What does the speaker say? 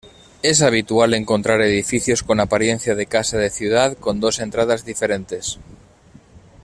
Es habitual encontrar edificios con apariencia de casa de ciudad, con dos entradas diferentes.